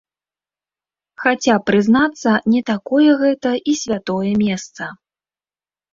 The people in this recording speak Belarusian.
Хаця, прызнацца, не такое гэта і святое месца.